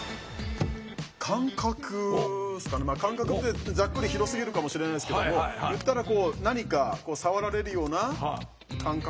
感覚ってざっくり広すぎるかもしれないですけども言ったらこう何か触られるような感覚？